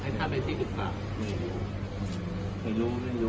ไม่รู้เหมือนไม่รู้